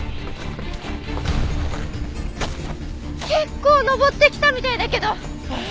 結構登ってきたみたいだけど！